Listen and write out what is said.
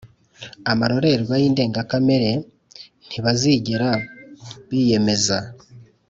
amarorerwa y'indengakamere. ntibazigera biyemeza